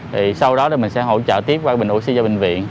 thì sau đó thì mình sẽ hỗ trợ tiếp qua bình oxy cho bệnh viện